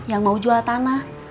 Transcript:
yang mau jual tanah